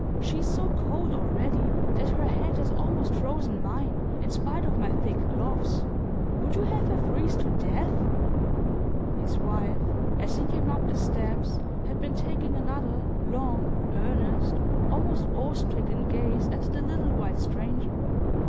She is so cold, already, that her hand has almost frozen mine, in spite of my thick gloves. Would you have her freeze to death?" His wife, as he came up the steps, had been taking another long, earnest, almost awe stricken gaze at the little white stranger.